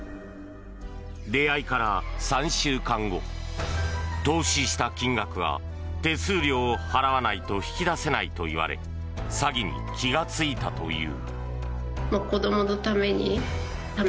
出会いから３週間後投資した金額が手数料を払わないと引き出せないと言われ詐欺に気がついたという。